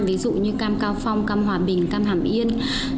ví dụ như cam cao phong cam hòa bình cam hàm yên